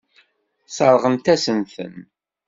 Sseṛɣent-asen-ten.